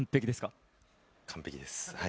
完璧です。